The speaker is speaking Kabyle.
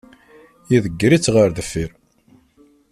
Idegger-itt ɣer deffir.